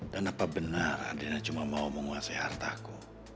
dan apa benar adyana cuma mau menguasai hartaku